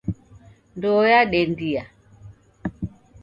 Ndoo yadendia